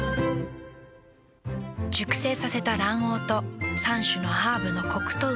熟成させた卵黄と３種のハーブのコクとうま味。